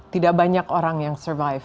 tidak banyak orang yang survive